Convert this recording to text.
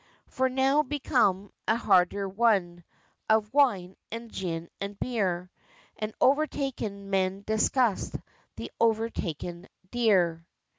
For now begun a harder run On wine, and gin, and beer; And overtaken man discussed The overtaken deer.